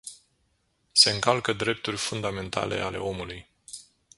Se încalcă drepturi fundamentale ale omului.